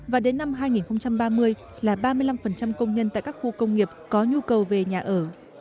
và đến năm hai nghìn ba mươi là ba mươi năm công nhân tại các khu công nghiệp có nhu cầu về nhà ở